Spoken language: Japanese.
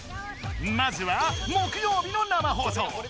まずは木曜日の生放送。